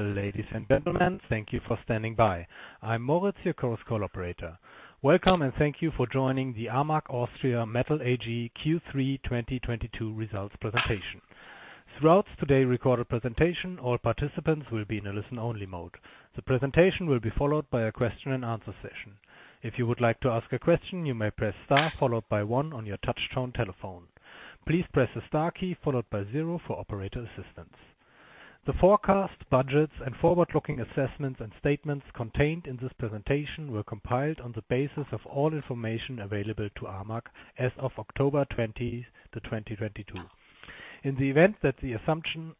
Ladies and gentlemen, thank you for standing by. I'm Moritz, your call operator. Welcome, and thank you for joining the AMAG Austria Metall AG Q3 2022 results presentation. Throughout today's recorded presentation, all participants will be in a listen-only mode. The presentation will be followed by a question and answer session. If you would like to ask a question, you may press star followed by one on your touchtone telephone. Please press the star key followed by zero for operator assistance. The forecast, budgets, and forward-looking assessments and statements contained in this presentation were compiled on the basis of all information available to AMAG as of October 20, 2022. In the event that the assumptions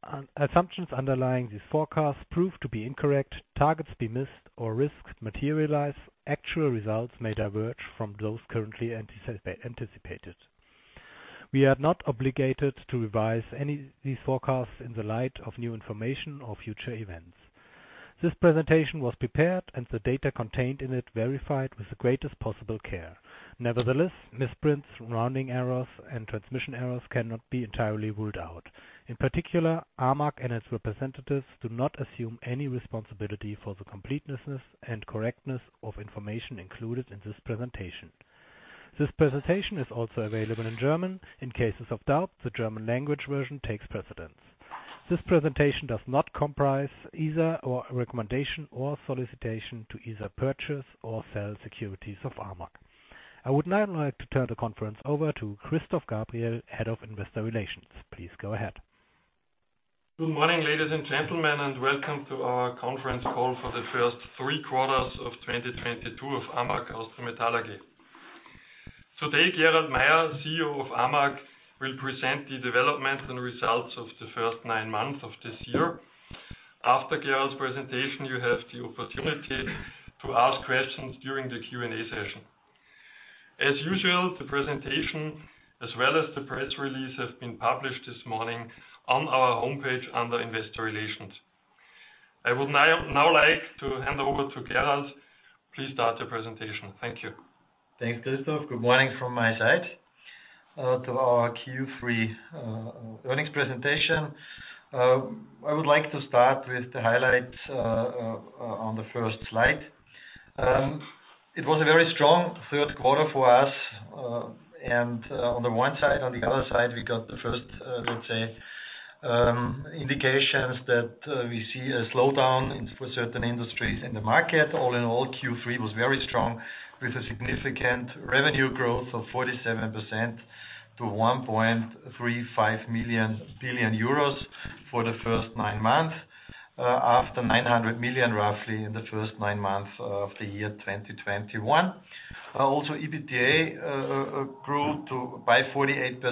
underlying these forecasts prove to be incorrect, targets be missed or risks materialize, actual results may diverge from those currently anticipated. We are not obligated to revise any of these forecasts in the light of new information or future events. This presentation was prepared and the data contained in it verified with the greatest possible care. Nevertheless, misprints, rounding errors, and transmission errors cannot be entirely ruled out. In particular, AMAG and its representatives do not assume any responsibility for the completeness and correctness of information included in this presentation. This presentation is also available in German. In cases of doubt, the German language version takes precedence. This presentation does not constitute either a recommendation or a solicitation to either purchase or sell securities of AMAG. I would now like to turn the conference over to Christoph Gabriel, Head of Investor Relations. Please go ahead. Good morning, ladies and gentlemen, and welcome to our conference call for the first three quarters of 2022 of AMAG Austria Metall AG. Today, Gerald Mayer, CEO of AMAG, will present the developments and results of the first nine months of this year. After Gerald's presentation, you have the opportunity to ask questions during the Q&A session. As usual, the presentation as well as the press release have been published this morning on our homepage under Investor Relations. I would now like to hand over to Gerald. Please start the presentation. Thank you. Thanks, Christoph. Good morning from my side to our Q3 earnings presentation. I would like to start with the highlights on the first slide. It was a very strong third quarter for us, and on the one side, on the other side, we got the first, let's say, indications that we see a slowdown for certain industries in the market. All in all, Q3 was very strong with a significant revenue growth of 47% to 1.35 billion euros for the first nine months, after 900 million, roughly, in the first nine months of the year 2021. Also, EBITDA grew by 48%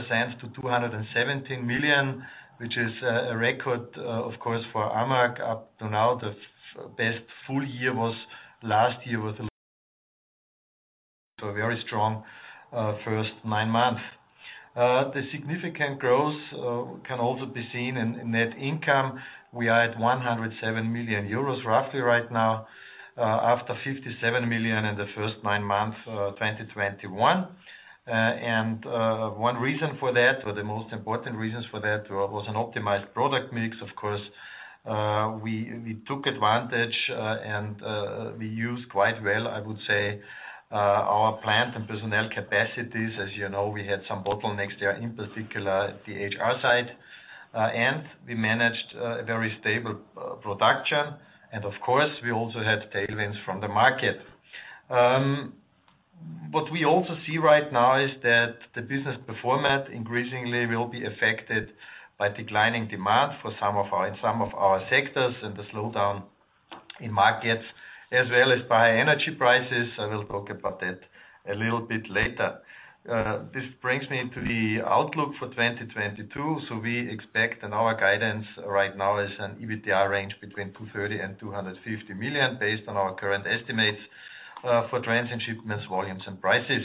to 217 million, which is a record, of course, for AMAG. Up to now, the best full year was last year with a very strong first nine months. The significant growth can also be seen in net income. We are at 107 million euros roughly right now, after 57 million in the first nine months, 2021. One reason for that, or the most important reasons for that, was an optimized product mix, of course. We took advantage and we used quite well, I would say, our plant and personnel capacities. As you know, we had some bottlenecks there, in particular the HR side, and we managed a very stable production. Of course, we also had tailwinds from the market. What we also see right now is that the business performance increasingly will be affected by declining demand in some of our sectors and the slowdown in markets, as well as by energy prices. I will talk about that a little bit later. This brings me into the outlook for 2022. We expect and our guidance right now is an EBITDA range between 230 million and 250 million based on our current estimates for tonnages and shipments, volumes and prices.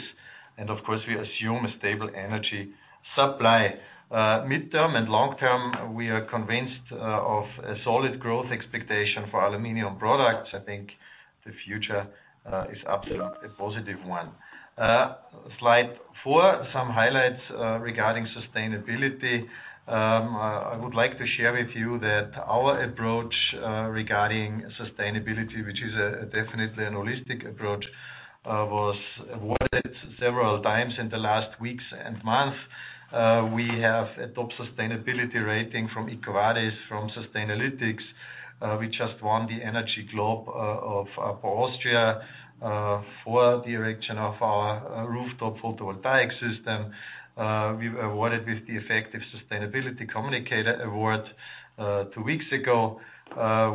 Of course, we assume a stable energy supply. Midterm and long term, we are convinced of a solid growth expectation for aluminum products. I think the future is absolutely a positive one. Slide four, some highlights regarding sustainability. I would like to share with you that our approach regarding sustainability, which is definitely an holistic approach, was awarded several times in the last weeks and month. We have a top sustainability rating from EcoVadis, from Sustainalytics. We just won the Energy Globe for Austria for the erection of our rooftop photovoltaic system. We were awarded with the Effective Sustainability Communicator Award two weeks ago.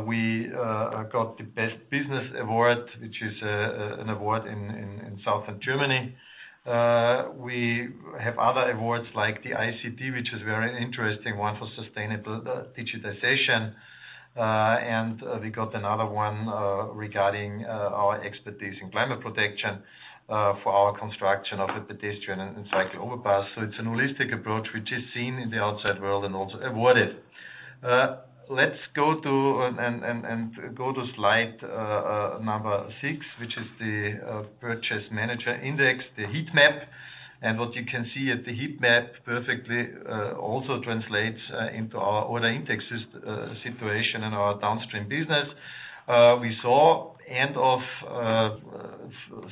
We got the Best Business Award, which is an award in southern Germany. We have other awards like the ICT, which is very interesting, one for sustainable digitization. We got another one regarding our expertise in climate protection for our construction of the pedestrian and cycle overpass. It's a holistic approach which is seen in the outside world and also awarded. Let's go to slide number six, which is the purchasing managers' index, the heat map. What you can see at the heat map perfectly also translates into our order intakes situation and our downstream business. We saw end of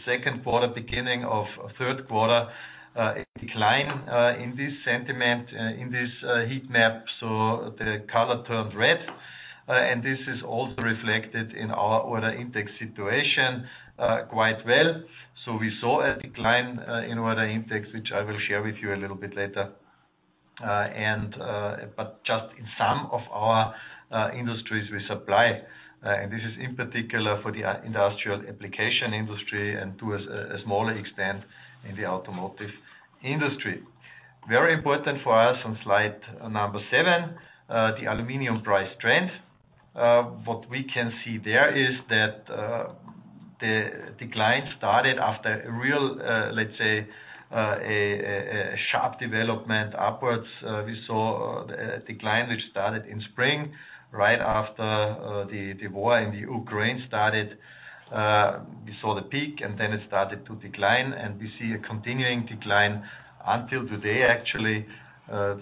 second quarter, beginning of third quarter, a decline in this sentiment in this heat map. The color turned red and this is also reflected in our order intake situation quite well. We saw a decline in order intakes, which I will share with you a little bit later. Just in some of our industries we supply, and this is in particular for the industrial application industry and to a smaller extent in the automotive industry. Very important for us on slide number seven, the aluminum price trend. What we can see there is that the decline started after a real, let's say, a sharp development upwards. We saw a decline which started in spring, right after the war in the Ukraine started. We saw the peak, and then it started to decline, and we see a continuing decline until today, actually,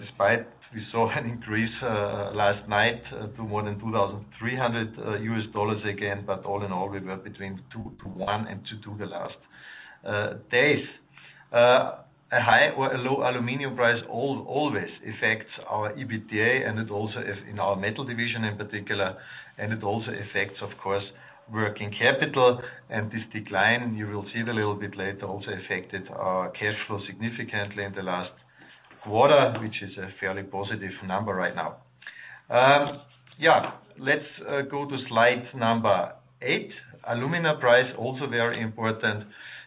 despite we saw an increase last night to more than $2,300 again. All in all, we were between $2,100 and $2,200 the last days. A high or a low aluminum price always affects our EBITDA, and it also is in our metal division in particular, and it also affects, of course, working capital. This decline, you will see it a little bit later, also affected our cash flow significantly in the last quarter, which is a fairly positive number right now. Let's go to slide number eight. Alumina price, also very important.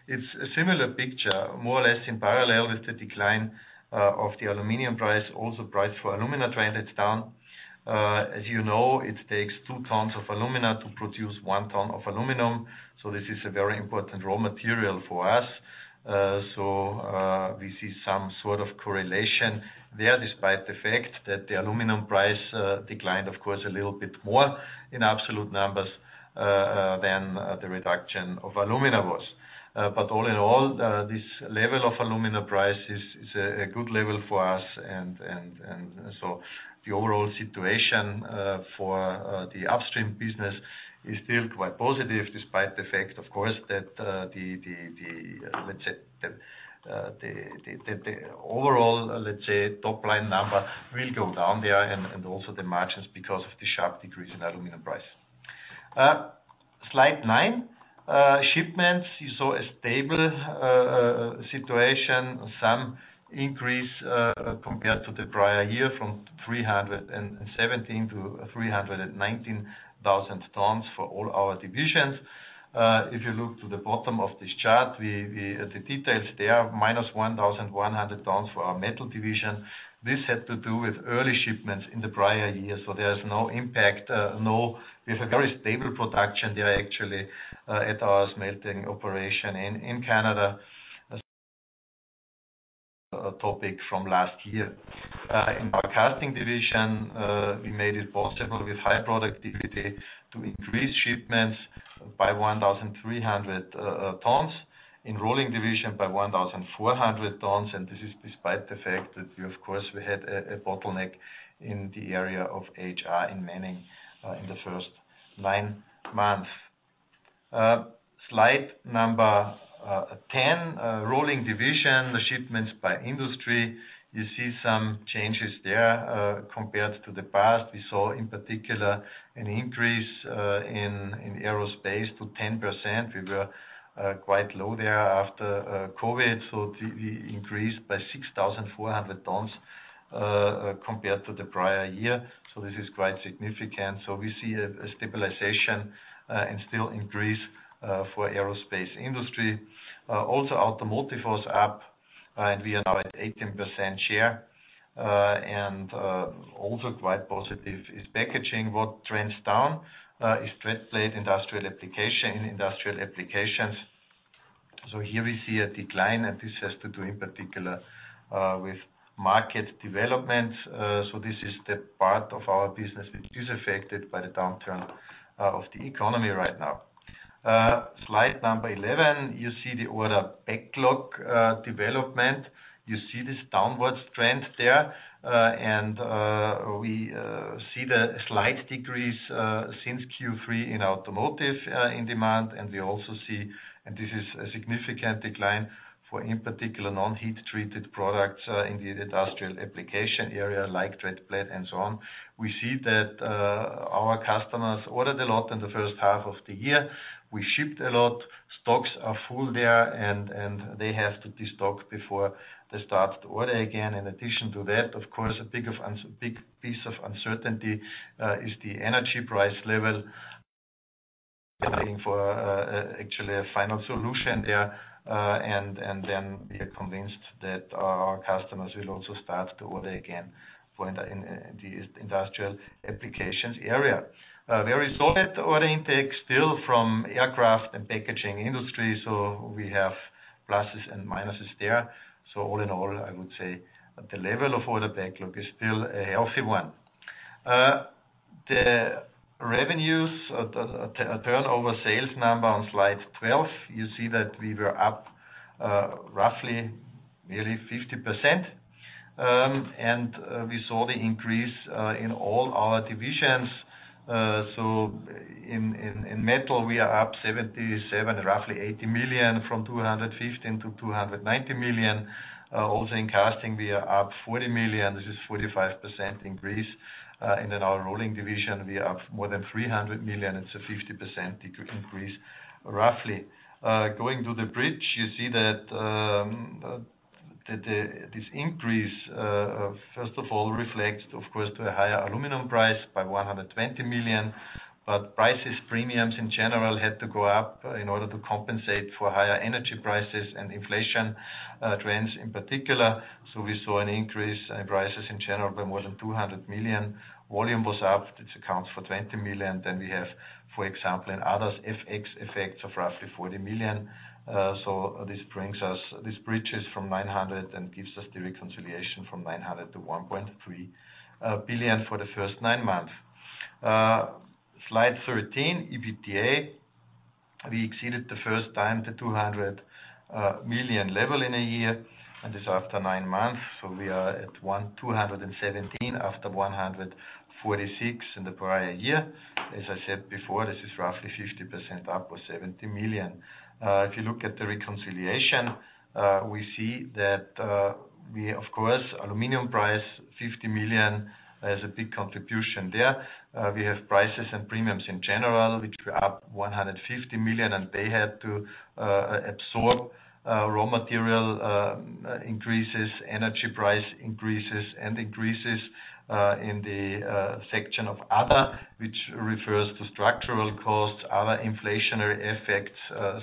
It's a similar picture, more or less in parallel with the decline of the aluminum price. Also, price for alumina trend, it's down. As you know, it takes two tons of alumina to produce one ton of aluminum, so this is a very important raw material for us. We see some sort of correlation there, despite the fact that the aluminum price declined, of course, a little bit more in absolute numbers than the reduction of alumina was. All in all, this level of alumina price is a good level for us. The overall situation for the upstream business is still quite positive, despite the fact, of course, that the let's say overall top-line number will go down there and also the margins because of the sharp decrease in alumina price. Slide nine, shipments. You saw a stable situation, some increase, compared to the prior year, from 317,000 to 319,000 tons for all our divisions. If you look to the bottom of this chart, at the details there, minus 1,100 tons for our metal division. This had to do with early shipments in the prior year. So there's no impact. There's a very stable production there, actually, at our smelting operation in Canada. A topic from last year. In our casting division, we made it possible with high productivity to increase shipments by 1,300 tons. In rolling division by 1,400 tons, and this is despite the fact that we, of course, had a bottleneck in the area of HR in manning in the first nine months. Slide number 10, rolling division, the shipments by industry. You see some changes there, compared to the past. We saw in particular an increase in aerospace to 10%. We were quite low there after COVID. We increased by 6,400 tons compared to the prior year. This is quite significant. We see a stabilization and still increase for aerospace industry. Also automotive was up and we are now at 18% share. Also quite positive is packaging. What trends down is tread plate, industrial applications. Here we see a decline, and this has to do in particular with market developments. This is the part of our business which is affected by the downturn of the economy right now. Slide number 11, you see the order backlog development. You see this downward trend there, and we see the slight decrease since Q3 in automotive in demand. We also see, and this is a significant decline for, in particular, non-heat treated products, in the industrial application area like tread plate and so on. We see that our customers ordered a lot in the first half of the year. We shipped a lot. Stocks are full there, and they have to destock before they start to order again. In addition to that, of course, a big piece of uncertainty is the energy price level. We're waiting for actually a final solution there. We are convinced that our customers will also start to order again in the industrial applications area. A very solid order intake still from aircraft and packaging industry. We have pluses and minuses there. All in all, I would say the level of order backlog is still a healthy one. The revenues, turnover sales number on slide 12, you see that we were up roughly nearly 50%. We saw the increase in all our divisions. In metal, we are up 77, roughly 80 million from 215 million to 290 million. Also in casting, we are up 40 million, which is 45% increase. Our rolling division, we are up more than 300 million. It's a 50% increase, roughly. Going through the bridge, you see that this increase first of all reflects, of course, due to a higher aluminum price by 120 million. Price premiums in general had to go up in order to compensate for higher energy prices and inflation trends in particular. We saw an increase in prices in general by more than 200 million. Volume was up. This accounts for 20 million. We have, for example, in others, FX effects of roughly 40 million. This bridges from 900 million and gives us the reconciliation from 900 million to 1.3 billion for the first nine months. Slide 13, EBITDA. We exceeded for the first time the 200 million level in a year, and this after nine months. We are at 217 after 146 in the prior year. As I said before, this is roughly 50% up or 70 million. If you look at the reconciliation, we see that, we, of course, aluminum price 50 million has a big contribution there. We have prices and premiums in general, which were up 150 million, and they had to absorb raw material increases, energy price increases, and increases in the section of other, which refers to structural costs, other inflationary effects,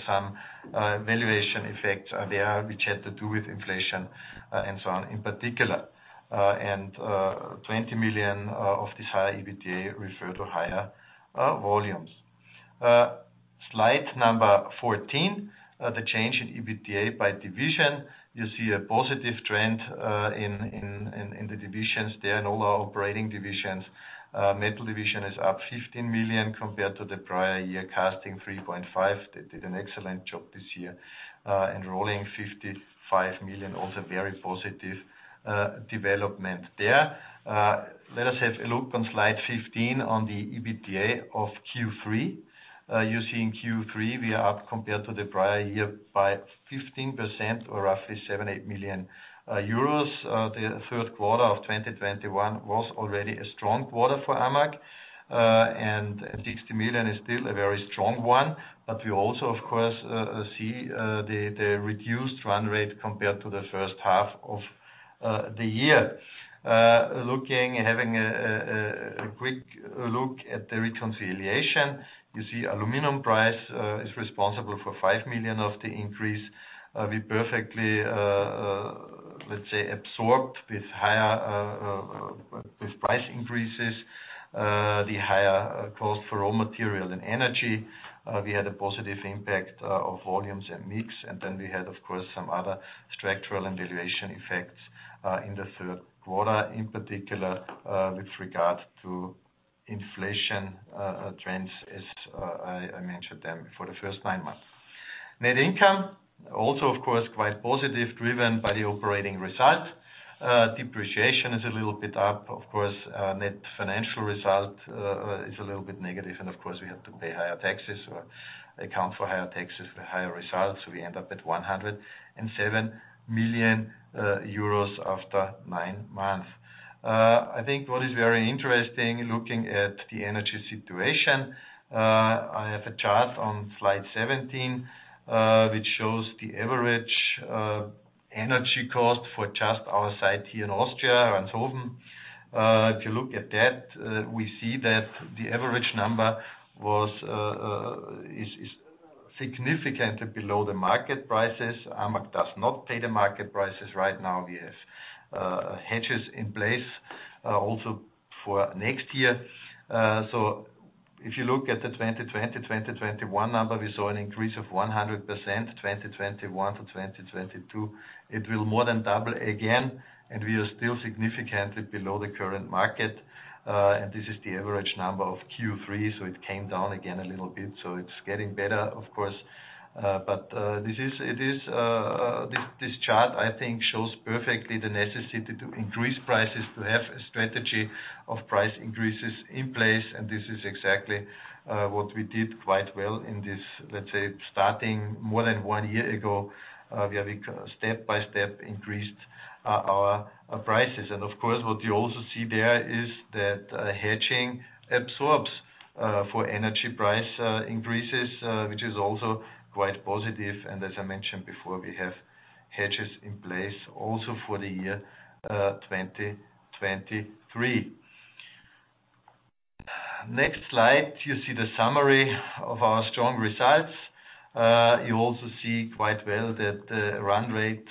some valuation effects there which had to do with inflation, and so on, in particular. And 20 million of this higher EBITDA refer to higher volumes. Slide number 14, the change in EBITDA by division. You see a positive trend in the divisions there in all our operating divisions. Metal division is up 15 million compared to the prior year, casting 3.5 million. They did an excellent job this year. Rolling 55 million, also very positive development there. Let us have a look on slide 15 on the EBITDA of Q3. You see in Q3, we are up compared to the prior year by 15% or roughly 7-8 million euros. The third quarter of 2021 was already a strong quarter for AMAG, and 60 million is still a very strong one. We also, of course, see the reduced run rate compared to the first half of the year. Looking and having a quick look at the reconciliation, you see aluminum price is responsible for 5 million of the increase. We perfectly, let's say absorbed with higher price increases the higher cost for raw material and energy. We had a positive impact of volumes and mix, and then we had, of course, some other structural and valuation effects in the third quarter, in particular, with regard to inflation trends as I mentioned them for the first nine months. Net income, also, of course, quite positive, driven by the operating result. Depreciation is a little bit up, of course. Net financial result is a little bit negative, and of course, we have to pay higher taxes or account for higher taxes for higher results. We end up at 107 million euros after nine months. I think what is very interesting looking at the energy situation, I have a chart on slide 17, which shows the average energy cost for just our site here in Austria, Ranshofen. If you look at that, we see that the average number is significantly below the market prices. AMAG does not pay the market prices right now. We have hedges in place, also for next year. If you look at the 2020-2021 number, we saw an increase of 100%. 2021 to 2022, it will more than double again, and we are still significantly below the current market. This is the average number of Q3, so it came down again a little bit. It's getting better, of course. This chart, I think, shows perfectly the necessity to increase prices, to have a strategy of price increases in place. This is exactly what we did quite well in this, let's say, starting more than one year ago. We have step by step increased our prices. Of course, what you also see there is that hedging absorbs for energy price increases, which is also quite positive. As I mentioned before, we have hedges in place also for the year 2023. Next slide. You see the summary of our strong results. You also see quite well that the run rate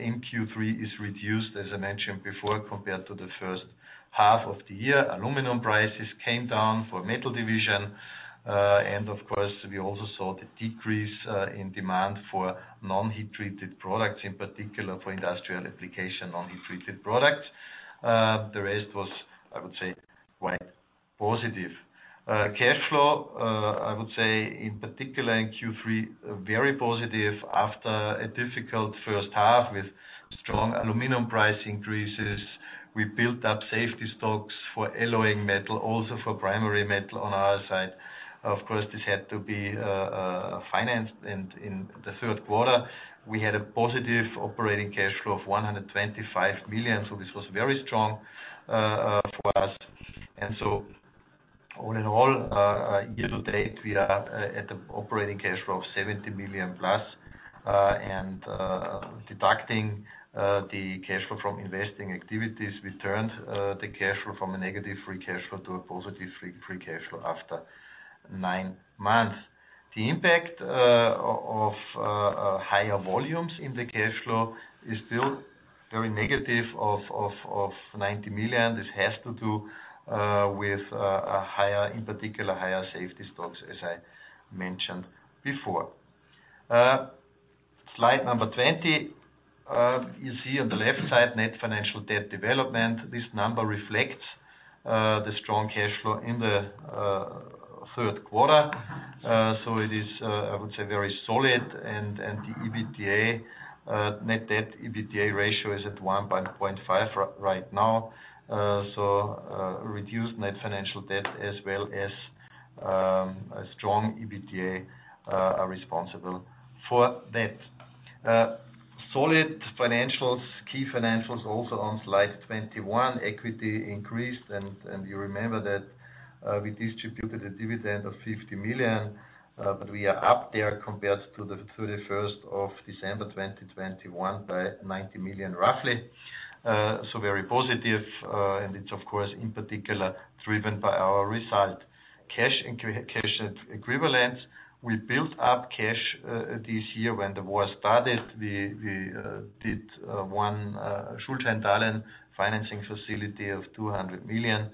in Q3 is reduced, as I mentioned before, compared to the first half of the year. Aluminum prices came down for metal division. Of course, we also saw the decrease in demand for non-heat treated products, in particular for industrial application non-heat treated products. The rest was, I would say, quite positive. Cash flow, I would say in particular in Q3, very positive after a difficult first half with strong aluminum price increases. We built up safety stocks for alloying metal, also for primary metal on our side. Of course, this had to be financed. In the third quarter, we had a positive operating cash flow of 125 million. This was very strong for us. All in all, year to date, we are at the operating cash flow of 70 million plus, and deducting the cash flow from investing activities. We turned the cash flow from a negative free cash flow to a positive free cash flow after nine months. The impact of higher volumes in the cash flow is still very negative of 90 million. This has to do with a higher, in particular, higher safety stocks, as I mentioned before. Slide number 20. You see on the left side, net financial debt development. This number reflects the strong cash flow in the third quarter. It is, I would say, very solid. The EBITDA net debt EBITDA ratio is at 1.5 right now. Reduced net financial debt as well as a strong EBITDA are responsible for that. Solid financials, key financials also on slide 21. Equity increased. You remember that we distributed a dividend of 50 million, but we are up there compared to the 31st of December 2021 by 90 million, roughly. Very positive, and it's of course in particular driven by our result. Cash and cash equivalents. We built up cash this year when the war started. We did one Schuldschein financing facility of 200 million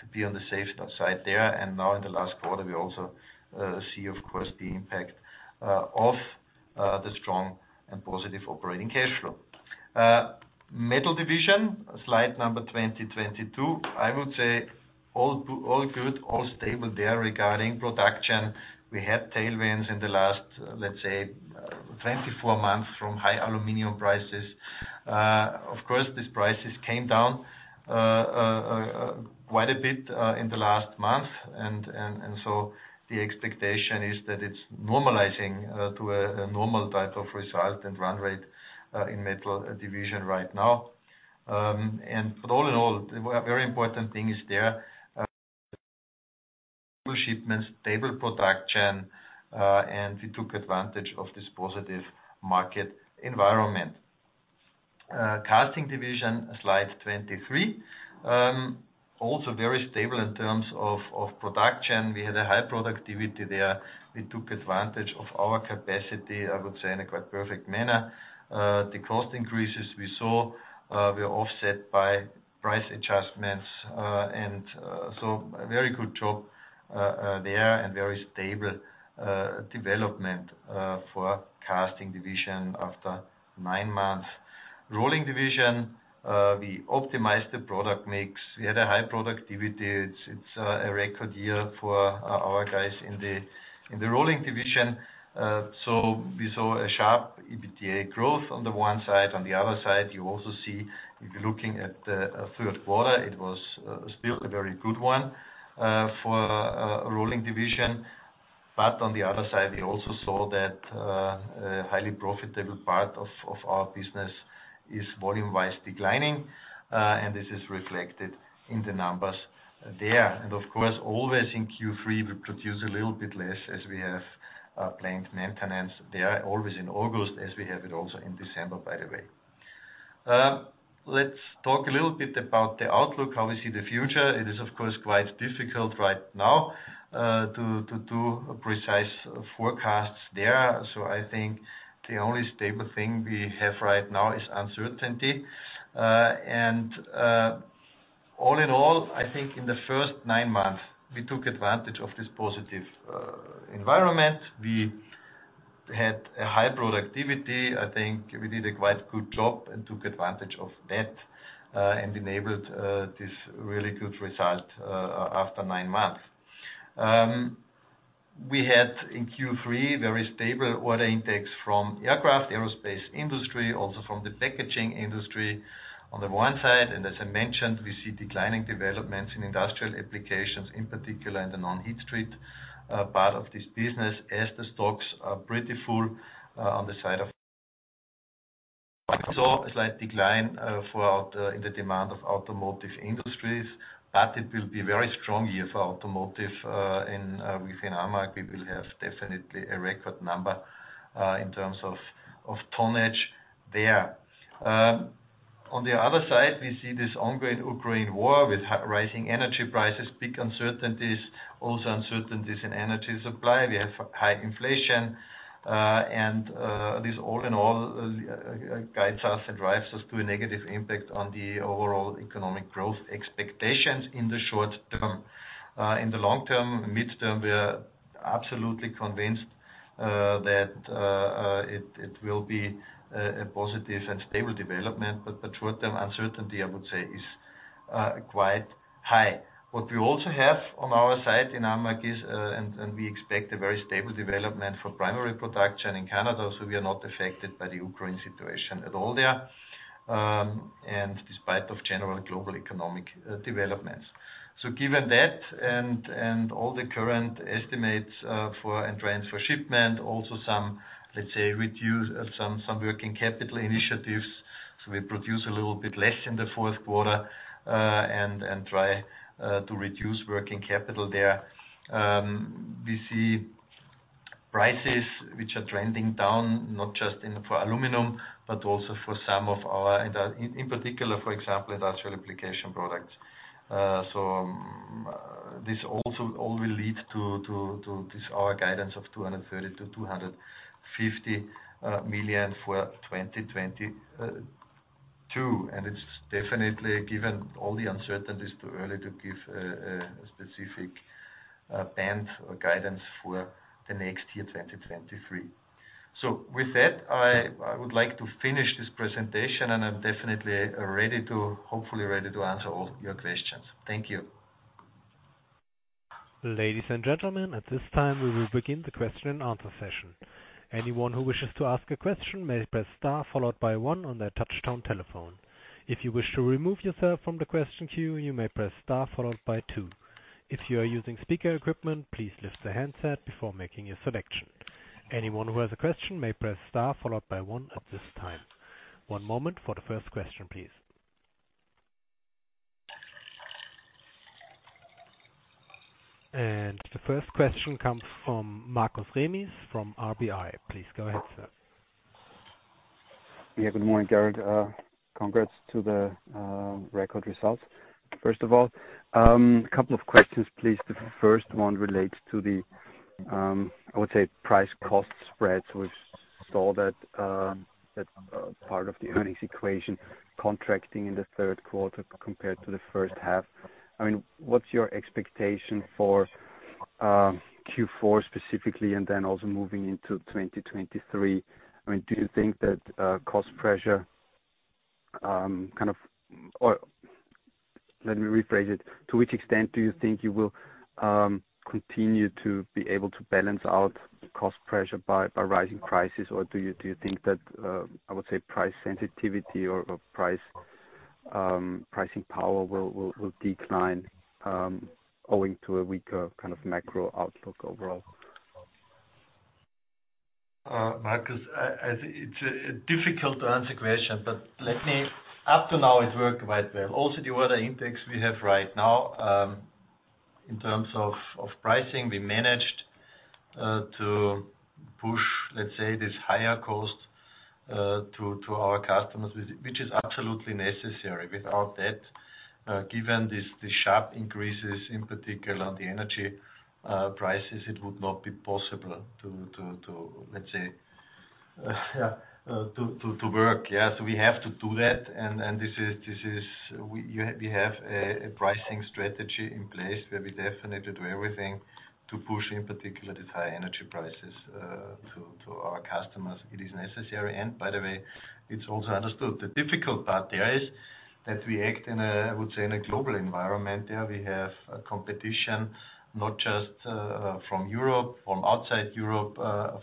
to be on the safe side there. Now in the last quarter, we also see, of course, the impact of the strong and positive operating cash flow. Metal division, slide number 22. I would say all good, all stable there regarding production. We had tailwinds in the last, let's say, 24 months from high aluminum prices. Of course, these prices came down quite a bit in the last month. The expectation is that it's normalizing to a normal type of result and run rate in metal division right now. All in all, a very important thing is their shipments, stable production, and we took advantage of this positive market environment. Casting division, slide 23. Also very stable in terms of production. We had a high productivity there. We took advantage of our capacity, I would say, in a quite perfect manner. The cost increases we saw were offset by price adjustments. A very good job there and very stable development for casting division after nine months. Rolling division, we optimized the product mix. We had a high productivity. It's a record year for our guys in the rolling division. We saw a sharp EBITDA growth on the one side. On the other side, you also see, if you're looking at the third quarter, it was still a very good one for rolling division. We also saw that a highly profitable part of our business is volume-wise declining, and this is reflected in the numbers there. Of course, always in Q3, we produce a little bit less as we have planned maintenance there always in August, as we have it also in December, by the way. Let's talk a little bit about the outlook, how we see the future. It is of course quite difficult right now to do precise forecasts there. I think the only stable thing we have right now is uncertainty. All in all, I think in the first nine months, we took advantage of this positive environment. We had a high productivity. I think we did a quite good job and took advantage of that and enabled this really good result after nine months. We had in Q3 very stable order intakes from aircraft, aerospace industry, also from the packaging industry on the one side. As I mentioned, we see declining developments in industrial applications, in particular in the non-heat treat part of this business, as the stocks are pretty full on the side of. We saw a slight decline throughout in the demand of automotive industries, but it will be a very strong year for automotive within AMAG. We will have definitely a record number in terms of tonnage there. On the other side, we see this ongoing Ukraine war with rising energy prices, big uncertainties, also uncertainties in energy supply. We have high inflation, and this all in all guides us and drives us to a negative impact on the overall economic growth expectations in the short term. In the long term, midterm, we are absolutely convinced that it will be a positive and stable development. The short term uncertainty, I would say, is quite high. What we also have on our side in AMAG is we expect a very stable development for primary production in Canada, so we are not affected by the Ukraine situation at all there, and despite general global economic developments. Given that and all the current estimates for trends for shipment, also some, let's say, reduce some working capital initiatives. We produce a little bit less in the fourth quarter and try to reduce working capital there. We see prices which are trending down, not just for aluminum, but also for some of our. In particular, for example, industrial application products. All this will lead to our guidance of 230-250 million for 2022. It's definitely, given all the uncertainties, too early to give a specific band or guidance for the next year, 2023. With that, I would like to finish this presentation, and I'm definitely ready to hopefully answer all your questions. Thank you. Ladies and gentlemen, at this time, we will begin the question and answer session. Anyone who wishes to ask a question may press star followed by one on their touchtone telephone. If you wish to remove yourself from the question queue, you may press star followed by two. If you are using speaker equipment, please lift the handset before making your selection. Anyone who has a question may press star followed by one at this time. One moment for the first question, please. The first question comes from Markus Remis from RBI. Please go ahead, sir. Yeah. Good morning, Gerald. Congrats to the record results. First of all, a couple of questions, please. The first one relates to the, I would say, price-cost spreads. We've seen that part of the earnings equation contracting in the third quarter compared to the first half. I mean, what's your expectation for Q4 specifically and then also moving into 2023? I mean, do you think that cost pressure kind of. Or let me rephrase it. To which extent do you think you will continue to be able to balance out cost pressure by rising prices? Or do you think that, I would say, price sensitivity or pricing power will decline owing to a weaker kind of macro outlook overall? Markus, it's a difficult to answer question, but let me up to now it worked quite well. Also the order intakes we have right now, in terms of pricing, we managed to push, let's say, this higher cost to our customers, which is absolutely necessary. Without that, given this, the sharp increases, in particular on the energy prices, it would not be possible to, let's say, to work. Yeah. We have to do that. We have a pricing strategy in place where we definitely do everything to push, in particular, the high energy prices to our customers. It is necessary. By the way, it's also understood. The difficult part there is that we act in a, I would say, in a global environment. We have a competition, not just from Europe, from outside Europe,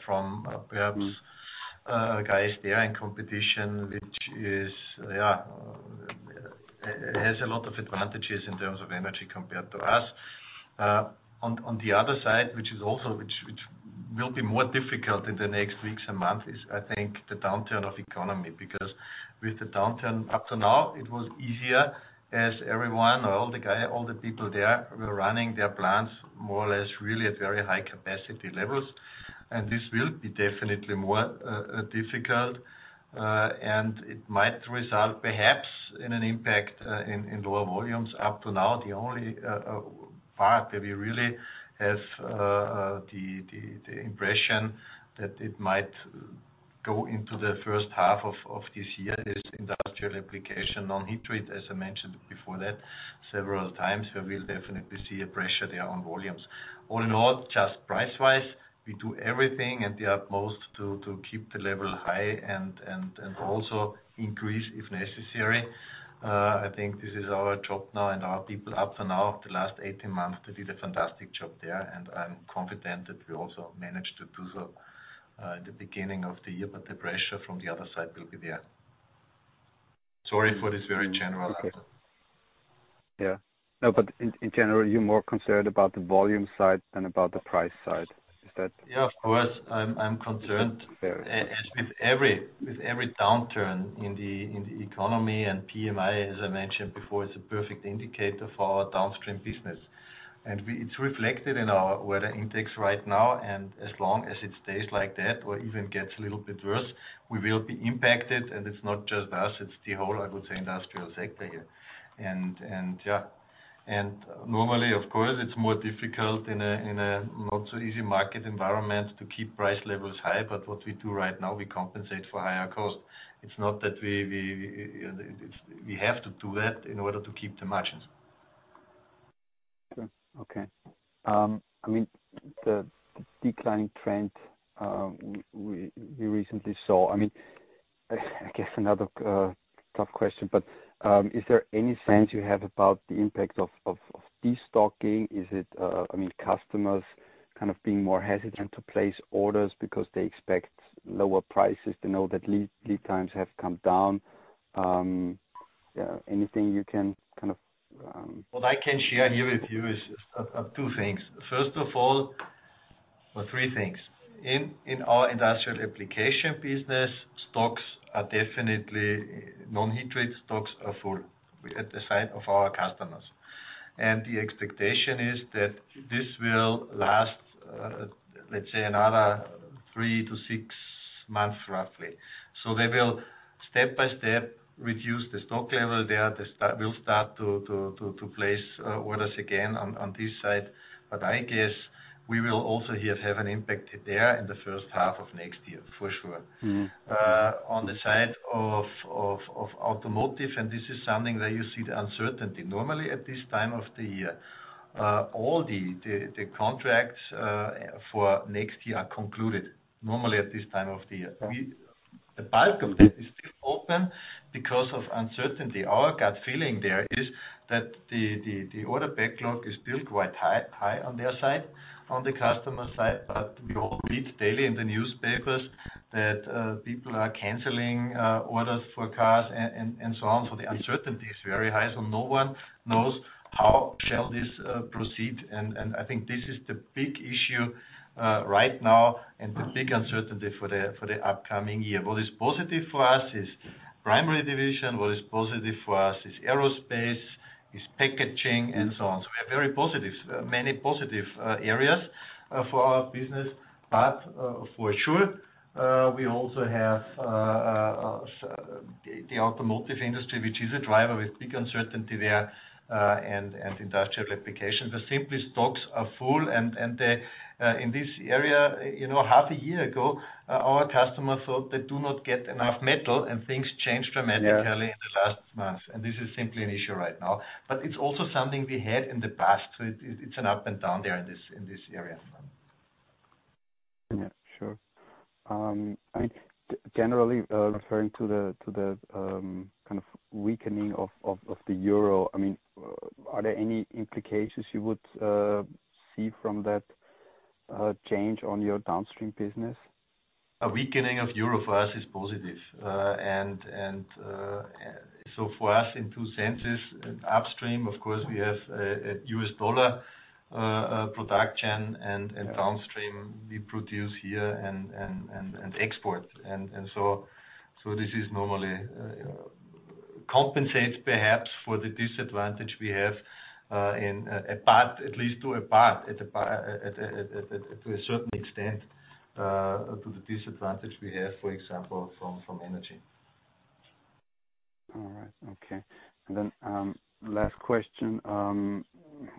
from perhaps guys there in competition, which has a lot of advantages in terms of energy compared to us. On the other side, which will be more difficult in the next weeks and months, is I think the downturn of economy. Because with the downturn up to now, it was easier as everyone or all the people there were running their plants more or less really at very high capacity levels. This will be definitely more difficult, and it might result perhaps in an impact in lower volumes. Up to now, the only part that we really have the impression that it might go into the first half of this year is industrial application on heat treat, as I mentioned before that several times, where we'll definitely see a pressure there on volumes. All in all, just price-wise, we do everything at the utmost to keep the level high and also increase if necessary. I think this is our job now and our people up to now, the last 18 months, they did a fantastic job there, and I'm confident that we also managed to do so at the beginning of the year. The pressure from the other side will be there. Sorry for this very general answer. Yeah. No, in general, you're more concerned about the volume side than about the price side. Is that? Yeah, of course, I'm concerned. Fair. With every downturn in the economy and PMI, as I mentioned before, it's a perfect indicator for our downstream business. It's reflected in our order intakes right now, and as long as it stays like that or even gets a little bit worse, we will be impacted. It's not just us, it's the whole, I would say, industrial sector here. Yeah. Normally, of course, it's more difficult in a not so easy market environment to keep price levels high. What we do right now, we compensate for higher cost. It's not that we have to do that in order to keep the margins. Okay. I mean, the declining trend we recently saw. I mean, I guess another tough question, but is there any sense you have about the impact of destocking? Is it, I mean, customers kind of being more hesitant to place orders because they expect lower prices, they know that lead times have come down? Yeah. Anything you can What I can share here with you is two things. First of all or three things. In our industrial application business, stocks are definitely non-heat treat stocks are full at the side of our customers. The expectation is that this will last, let's say, another three to six months, roughly. They will step-by-step reduce the stock level there. We'll start to place orders again on this side. I guess we will also here have an impact there in the first half of next year, for sure. Mm-hmm. On the side of automotive, and this is something that you see the uncertainty. Normally at this time of the year, all the contracts for next year are concluded. The bulk of that is still open because of uncertainty. Our gut feeling there is that the order backlog is still quite high on their side, on the customer side, but we all read daily in the newspapers that people are canceling orders for cars and so on. The uncertainty is very high. No one knows how shall this proceed. I think this is the big issue right now and the big uncertainty for the upcoming year. What is positive for us is primary division, what is positive for us is aerospace, is packaging and so on. We have very positives, many positive, areas, for our business. For sure, we also have the automotive industry, which is a driver with big uncertainty there, and industrial applications. The supply stocks are full. In this area, you know, half a year ago, our customers thought they do not get enough metal, and things changed dramatically. Yeah. In the last month. This is simply an issue right now. It's also something we had in the past, so it's an up and down there in this area. Yeah, sure. I mean, generally, referring to the kind of weakening of the euro, I mean, are there any implications you would see from that change on your downstream business? A weakening of euro for us is positive. For us in two senses. Upstream, of course, we have a US dollar production. Downstream, we produce here and export. This normally compensates perhaps for the disadvantage we have in a part, at least to a part, to a certain extent to the disadvantage we have, for example, from energy. All right. Okay. Last question,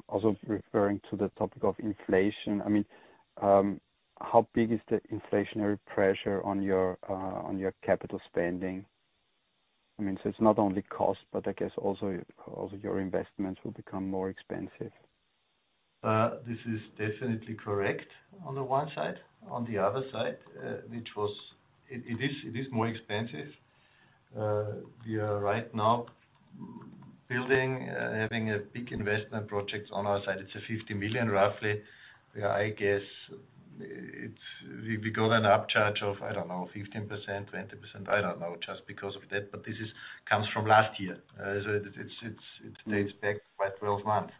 also referring to the topic of inflation. I mean, how big is the inflationary pressure on your capital spending? I mean, so it's not only cost, but I guess also your investments will become more expensive. This is definitely correct on the one side. On the other side, it is more expensive. We are right now building, having a big investment project on our side. It's 50 million roughly. We got an upcharge of, I don't know, 15%, 20%, I don't know, just because of that. This comes from last year. It dates back by twelve months.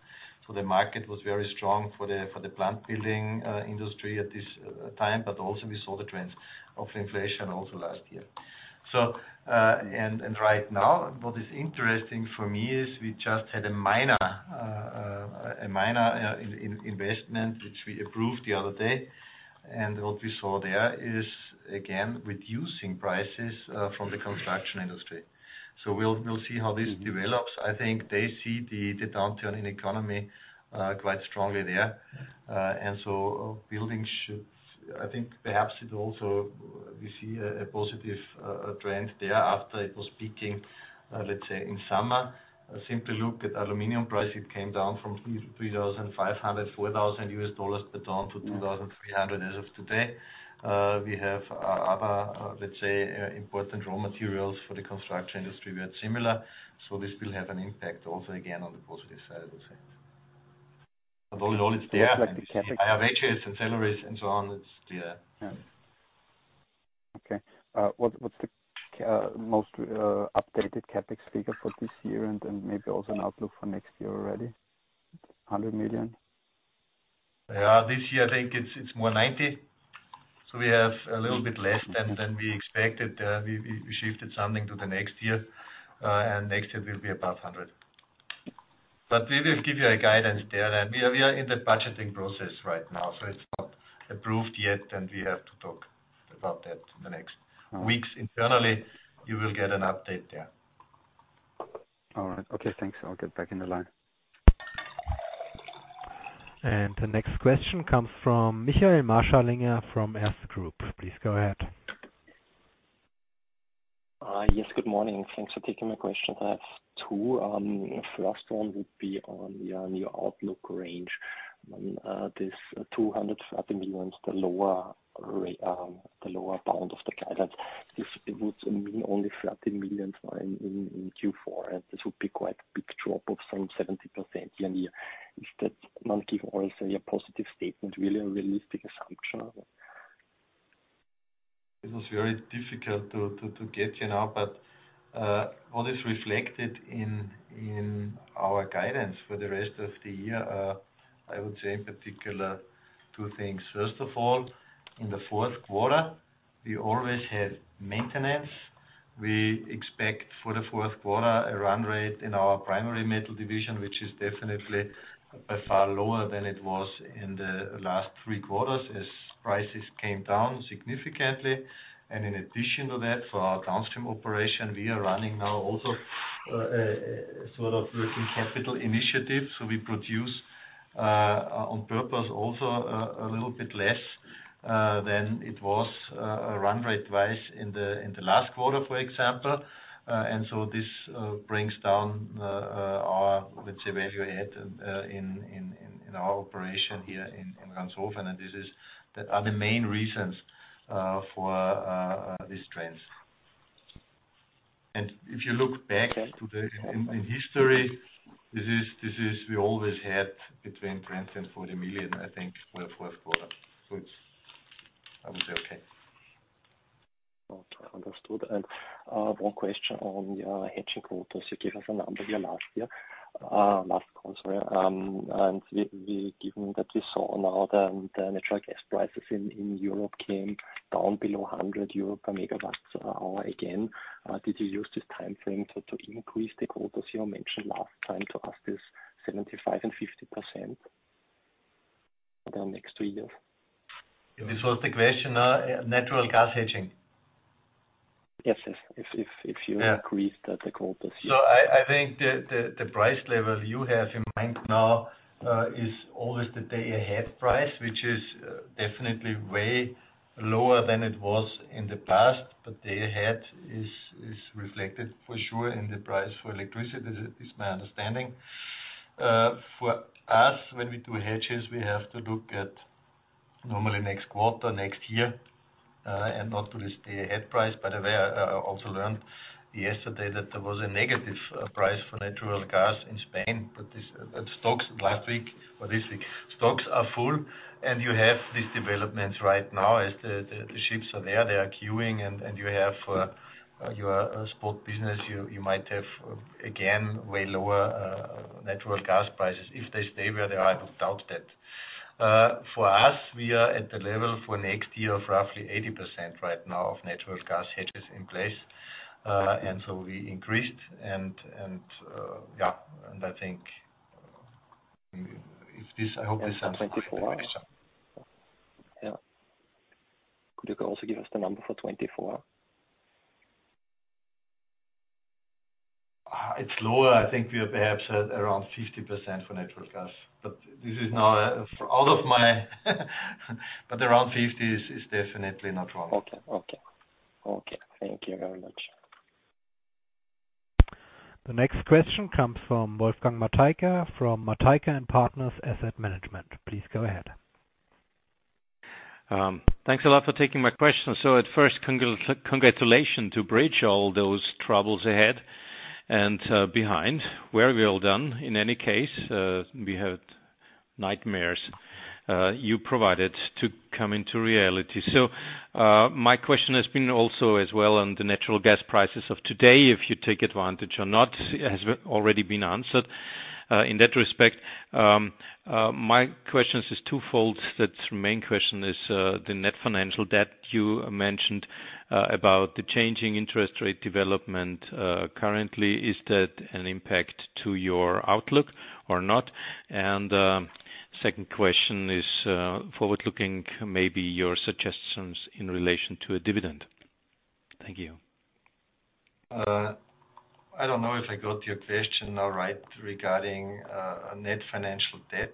The market was very strong for the plant building industry at this time, but also we saw the trends of inflation also last year. And right now, what is interesting for me is we just had a minor investment which we approved the other day. What we saw there is, again, reducing prices from the construction industry. We'll see how this develops. I think they see the downturn in economy quite strongly there. Building should. I think perhaps it also, we see a positive trend there after it was peaking, let's say in summer. Simply look at aluminum price. It came down from $3 to $3,500-$4,000, but down to $2,300 as of today. We have other, let's say, important raw materials for the construction industry were similar. This will have an impact also again on the positive side, I would say. All in all, it's there. Higher wages and salaries and so on, it's there. Yeah. Okay. What's the most updated CapEx figure for this year and then maybe also an outlook for next year already? 100 million? Yeah. This year, I think it's more 90. We have a little bit less than we expected. We shifted something to the next year. Next year will be above 100. We will give you a guidance there. We are in the budgeting process right now, so it's not approved yet, and we have to talk about that in the next weeks internally. You will get an update there. All right. Okay, thanks. I'll get back in the line. The next question comes from Michael Marschallinger from Erste Group. Please go ahead. Yes. Good morning. Thanks for taking my question. I have two. First one would be on your new outlook range. This 230 million, the lower bound of the guidance. This, it would mean only 30 million in Q4. This would be quite a big drop of some 70% year-on-year. Is that not also a positive statement, really a realistic assumption? It was very difficult to get, you know. All this reflected in our guidance for the rest of the year. I would say in particular two things. First of all, in the fourth quarter, we always have maintenance. We expect for the fourth quarter a run rate in our primary metal division, which is definitely by far lower than it was in the last three quarters as prices came down significantly. In addition to that, for our downstream operation, we are running now also a sort of working capital initiative. We produce on purpose also a little bit less than it was run rate-wise in the last quarter, for example. This brings down our, let's say, value add in our operation here in Ranshofen. That are the main reasons for these trends. If you look back in history, this is we always had between 20 million and 40 million, I think, for the fourth quarter. It's I would say okay. Understood. One question on your hedging quotas. You gave us a number here last year. Last quarter. Given that we saw now the natural gas prices in Europe came down below 100 euro per megawatt hour again. Did you use this timeframe to increase the quotas you mentioned last time to us is 75% and 50% for the next two years? This was the question, natural gas hedging? Yes. If you increased the quotas. I think the price level you have in mind now is always the day-ahead price, which is definitely way lower than it was in the past. Day-ahead is reflected for sure in the price for electricity. That is my understanding. For us, when we do hedges, we have to look at normally next quarter, next year, and not to this day-ahead price. By the way, I also learned yesterday that there was a negative price for natural gas in Spain. Stocks last week, or this week, stocks are full, and you have these developments right now as the ships are there, they are queuing, and you have your spot business. You might have, again, way lower natural gas prices. If they stay where they are, I would doubt that. For us, we are at the level for next year of roughly 80% right now of natural gas hedges in place. We increased and yeah. I hope this answers the question. Yeah. Could you also give us the number for 2024? It's lower. I think we are perhaps at around 50% for natural gas. Around 50% is definitely not wrong. Okay. Thank you very much. The next question comes from Wolfgang Matejka, from Matejka & Partners Asset Management. Please go ahead. Thanks a lot for taking my question. At first, congratulation for bridging all those troubles ahead and behind. Very well done. In any case, we had nightmares that have come into reality. My question has been also as well on the natural gas prices of today. If you take advantage or not, it has already been answered in that respect. My question is twofold. The main question is the net financial debt you mentioned about the changing interest rate development currently. Is that an impact to your outlook or not? Second question is forward-looking, maybe your suggestions in relation to a dividend. Thank you. I don't know if I got your question now right regarding net financial debt.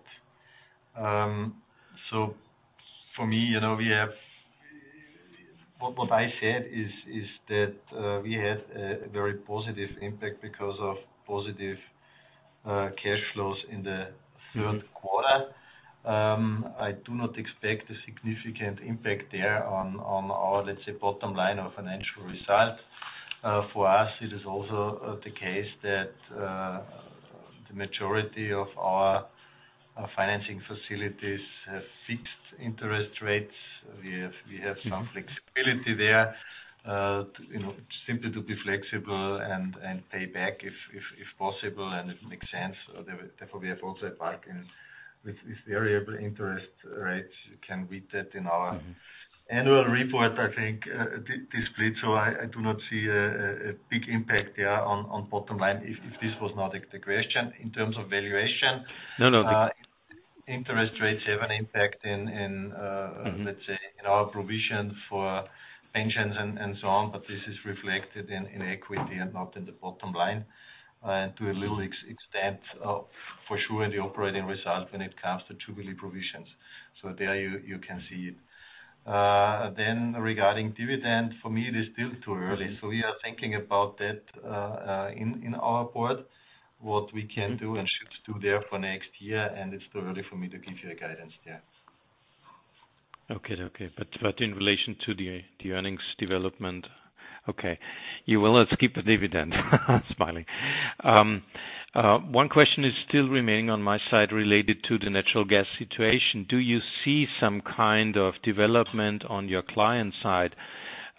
For me, you know, what I said is that we had a very positive impact because of positive cash flows in the third quarter. I do not expect a significant impact there on our, let's say, bottom line or financial result. For us, it is also the case that the majority of our financing facilities have fixed interest rates. We have some flexibility there, you know, simply to be flexible and pay back if possible, and it makes sense. Therefore, we have also a part in with variable interest rates. You can read that in our annual report, I think, this split. I do not see a big impact there on bottom line, if this was not the question in terms of valuation. No, no. Interest rates have an impact in. Mm-hmm. Let's say, in our provision for pensions and so on, but this is reflected in equity and not in the bottom line. To a little extent, for sure, the operating result when it comes to jubilee provisions. There you can see it. Regarding dividend, for me, it is still too early. We are thinking about that in our board, what we can do and should do there for next year, and it's too early for me to give you a guidance there. Okay. In relation to the earnings development. Okay. You will skip a dividend. Smiley. One question is still remaining on my side related to the natural gas situation. Do you see some kind of development on your client side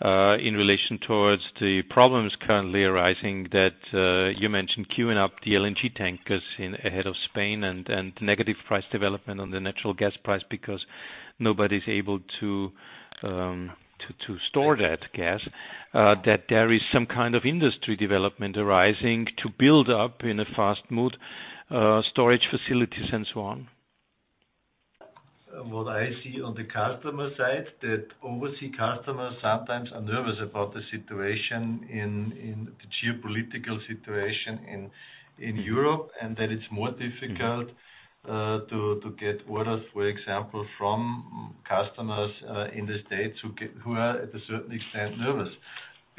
in relation toward the problems currently arising that you mentioned queuing up the LNG tankers in ahead of Spain and negative price development on the natural gas price because nobody's able to store that gas that there is some kind of industry development arising to build up in a fast mode storage facilities and so on. What I see on the customer side that overseas customers sometimes are nervous about the situation in the geopolitical situation in Europe, and that it's more difficult to get orders, for example, from customers in the States who are to a certain extent nervous.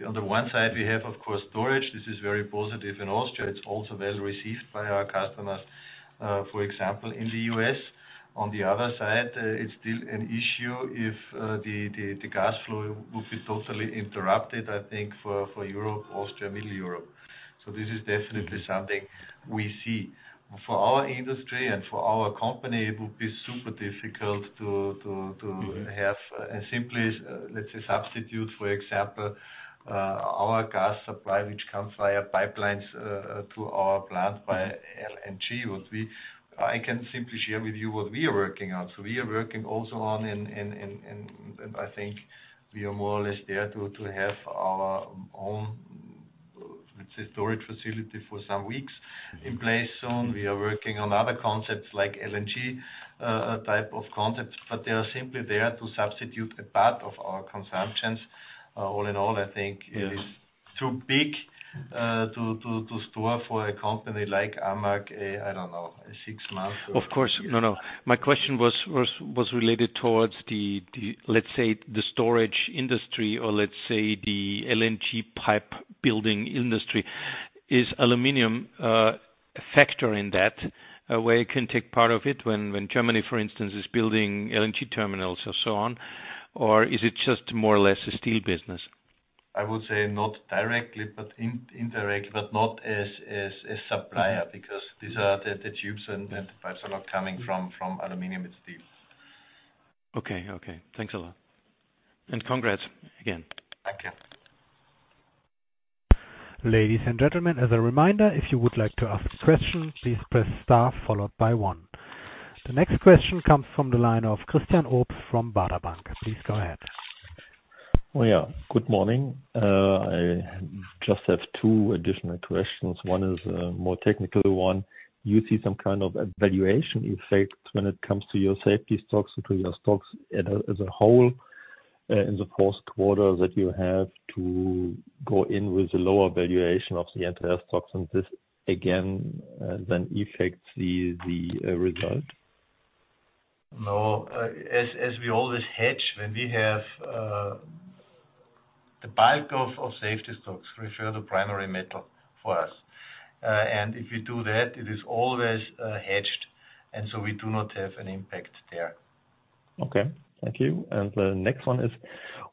On the one side, we have, of course, storage. This is very positive in Austria. It's also well received by our customers, for example, in the US. On the other side, it's still an issue if the gas flow will be totally interrupted, I think for Europe, Austria, Middle Europe. This is definitely something we see. For our industry and for our company, it will be super difficult to have a simple, let's say, substitute, for example, our gas supply, which comes via pipelines to our plant by LNG. I can simply share with you what we are working on. We are working also on, and I think we are more or less there to have our own, let's say, storage facility for some weeks in place soon. We are working on other concepts like LNG type of concepts, but they are simply there to substitute a part of our consumptions. All in all, I think it is too big to store for a company like AMAG, I don't know, six months. Of course. No. My question was related towards the, let's say, the storage industry, or let's say, the LNG pipe building industry. Is aluminum a factor in that, where it can take part of it when Germany, for instance, is building LNG terminals or so on? Or is it just more or less a steel business? I would say not directly, but indirectly, but not as a supplier, because these are the tubes and pipes are not coming from aluminum, it's steel. Okay. Thanks a lot. Congrats again. Thank you. Ladies and gentlemen, as a reminder, if you would like to ask questions, please press star followed by one. The next question comes from the line of Christian Obst from Baader Bank. Please go ahead. Oh, yeah. Good morning. I just have two additional questions. One is a more technical one. You see some kind of valuation effect when it comes to your safety stocks, to your stocks as a whole in the first quarter that you have to go in with a lower valuation of the entire stocks, and this again then affects the result. No. As we always hedge when we have the bulk of safety stocks for the primary metal for us. If you do that, it is always hedged, and so we do not have an impact there. Okay. Thank you. The next one is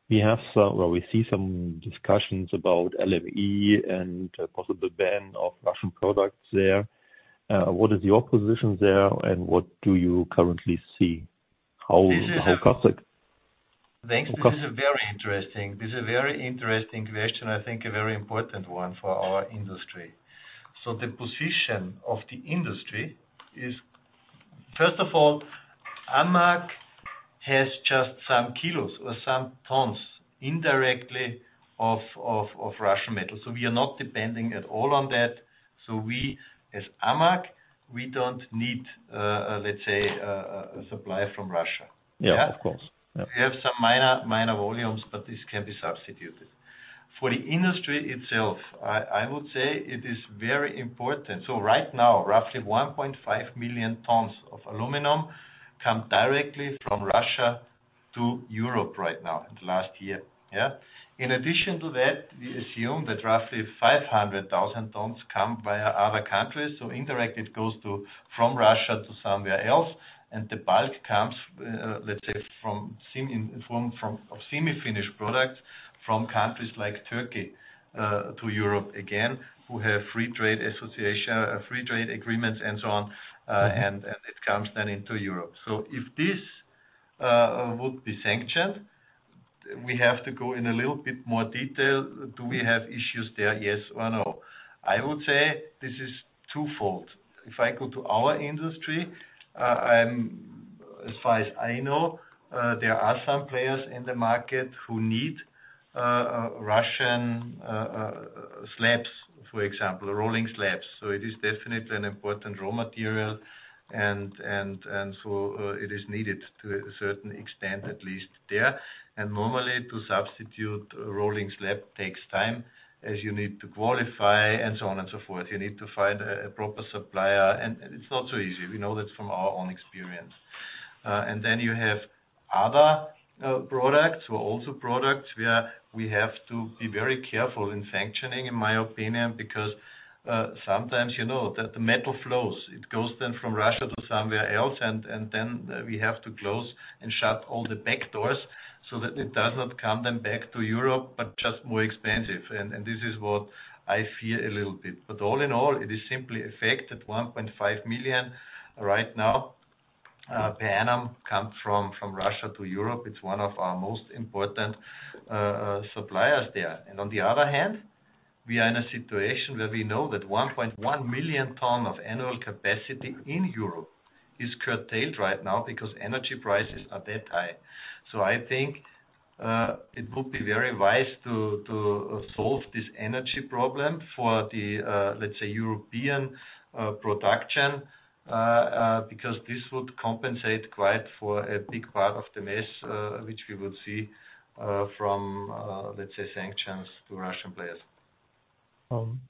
we have some or we see some discussions about LME and a possible ban of Russian products there. What is your position there, and what do you currently see? How comes it? Thanks. This is a very interesting question. I think a very important one for our industry. The position of the industry is, first of all, AMAG has just some kilos or some tons indirectly of Russian metal. We are not depending at all on that. We as AMAG, we don't need, let's say, a supply from Russia. Yeah, of course. We have some minor volumes, but this can be substituted. For the industry itself, I would say it is very important. Right now, roughly 1.5 million tons of aluminum come directly from Russia to Europe right now in the last year. Yeah. In addition to that, we assume that roughly 500,000 tons come via other countries. Indirectly, it goes from Russia to somewhere else. The bulk comes, let's say, in the form of semi-finished products from countries like Turkey to Europe again, who have free trade agreements and so on, and it comes then into Europe. If this would be sanctioned, we have to go in a little bit more detail. Do we have issues there, yes or no? I would say this is twofold. If I go to our industry, as far as I know, there are some players in the market who need Russian slabs, for example, rolling slabs. So it is definitely an important raw material. So it is needed to a certain extent, at least there. Normally, to substitute a rolling slab takes time as you need to qualify and so on and so forth. You need to find a proper supplier. It's not so easy. We know that from our own experience. Then you have other products or also products where we have to be very careful in sanctioning, in my opinion, because sometimes, you know, that the metal flows. It goes then from Russia to somewhere else, and then we have to close and shut all the back doors so that it does not come then back to Europe, but just more expensive. This is what I fear a little bit. All in all, it is simply affected. 1.5 million right now per annum come from Russia to Europe. It's one of our most important suppliers there. On the other hand, we are in a situation where we know that 1.1 million tons of annual capacity in Europe is curtailed right now because energy prices are that high. I think it would be very wise to solve this energy problem for the, let's say, European production, because this would compensate quite for a big part of the mess, which we would see from, let's say, sanctions to Russian players.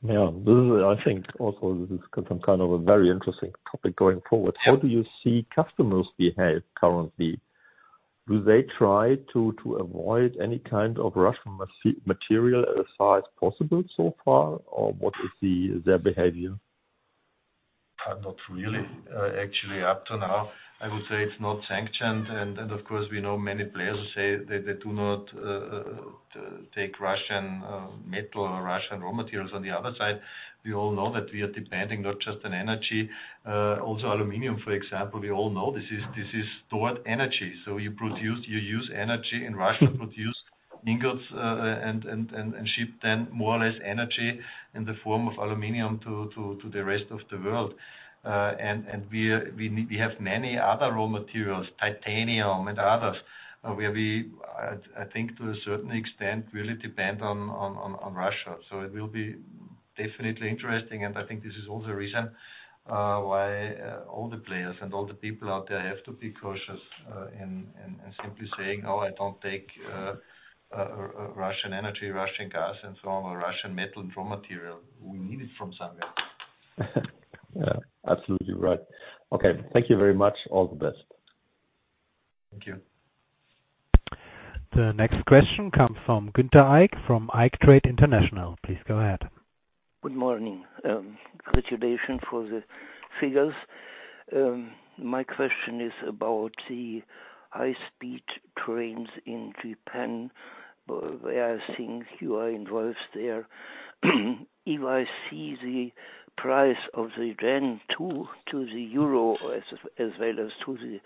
Yeah. This is, I think, also some kind of a very interesting topic going forward. Yeah. How do you see customers behave currently? Do they try to avoid any kind of Russian material as far as possible so far? Or what is their behavior? Not really. Actually, up to now, I would say it's not sanctioned. Of course, we know many players who say they do not take Russian metal or Russian raw materials on the other side. We all know that we are depending not just on energy, also aluminum, for example. We all know this is stored energy. You produce, you use energy, and Russia produce ingots, and ship then more or less energy in the form of aluminum to the rest of the world. We have many other raw materials, titanium and others, where I think to a certain extent, really depend on Russia. It will be definitely interesting, and I think this is also a reason why all the players and all the people out there have to be cautious in simply saying, "Oh, I don't take Russian energy, Russian gas, and so on, Russian metal and raw material." We need it from somewhere. Yeah, absolutely right. Okay. Thank you very much. All the best. Thank you. The next question comes from Günther Eick from Eicktrade International. Please go ahead. Good morning. Congratulations for the figures. My question is about the high speed trains in Japan, where I think you are involved there. If I see the price of the yen to the euro as well as to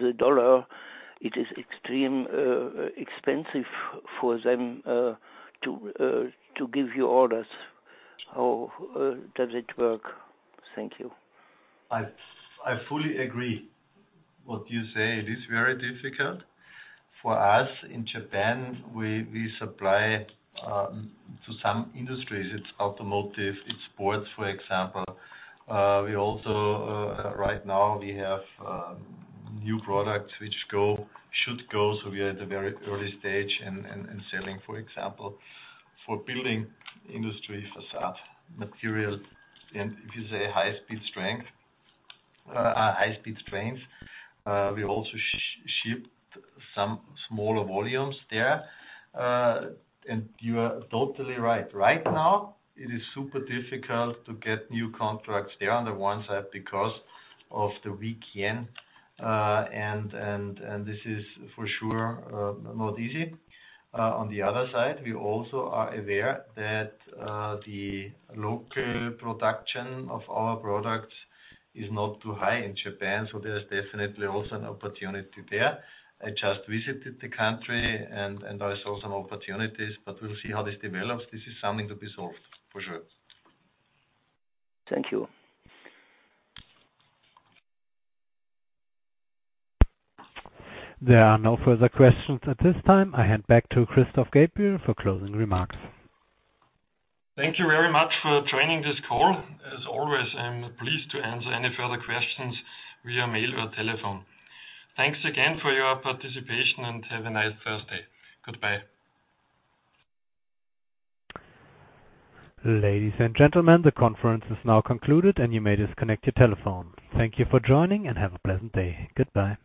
the dollar, it is extremely expensive for them to give you orders. How does it work? Thank you. I fully agree with what you say. It is very difficult for us in Japan. We supply to some industries. It's automotive, it's sports, for example. We also right now have new products which should go. We are at the very early stage and selling, for example, for building industry facade material. If you say high speed strength, high speed trains, we also ship some smaller volumes there. You are totally right. Right now it is super difficult to get new contracts there on the one side because of the weak yen. This is for sure not easy. On the other side, we also are aware that the local production of our products is not too high in Japan. There is definitely also an opportunity there. I just visited the country and I saw some opportunities. We'll see how this develops. This is something to be solved for sure. Thank you. There are no further questions at this time. I hand back to Christoph Gabriel for closing remarks. Thank you very much for joining this call. As always, I am pleased to answer any further questions via mail or telephone. Thanks again for your participation and have a nice Thursday. Goodbye. Ladies and gentlemen, the conference is now concluded and you may disconnect your telephone. Thank you for joining and have a pleasant day. Goodbye.